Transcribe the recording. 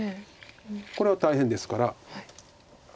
これは大変ですから。